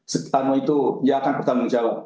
setelah itu ya akan bertanggung jawab